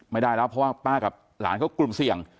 ไม่ได้แล้วเพราะว่าป้ากับหลานเขากลุ่มเสี่ยง